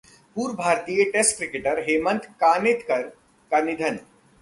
पूर्व भारतीय test cricketer Hemant Kanitkar का निधन